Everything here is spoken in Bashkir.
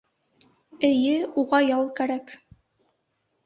Эйе, уға ял кәрәк.